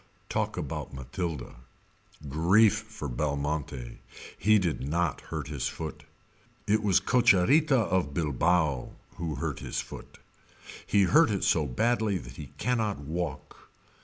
Talk about Mathilda. Grief for Belmonte. He did not hurt his foot. It was Cocherita of Bilbao. who hurt his foot. He hurt it so badly that he cannot walk.